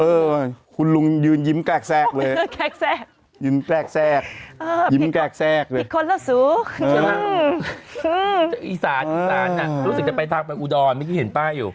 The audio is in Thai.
เอ้โธ่ขุนลุงก็คืองงกำลังเก็บโขดอยู่ดีอ้าวอยู่ดีรวบหลังเลย